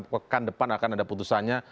pekan depan akan ada putusannya